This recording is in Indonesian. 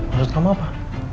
menurut kamu apa